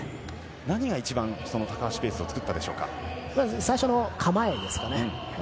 何が一番高橋ペースを作った最初の構えですかね。